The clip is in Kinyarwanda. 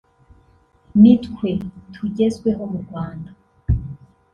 nit we tugezweho mu Rwanda